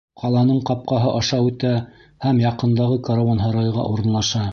Ҡаланың ҡапҡаһы аша үтә һәм яҡындағы каруанһарайға урынлаша.